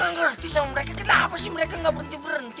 gue ga ngerti sama mereka kenapa sih mereka ga berhenti berhenti